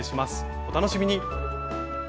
お楽しみに。